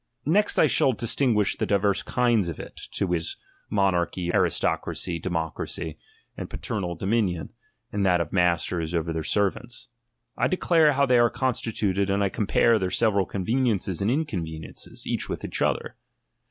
Next I dis tinguish the divers kinds of it, to wit, monarchy, aristocracy, democracy ; and paternal dominion, and that of masters over their serx'ants. I declare how they are constitxited, and I compare their several conveniences and inconveniences, each with other.